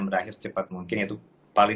berakhir secepat mungkin itu paling